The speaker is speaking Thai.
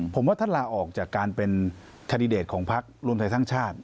ผมว่าท่านลาออกจากการเป็นแคนดิเดตของพักรวมไทยสร้างชาติ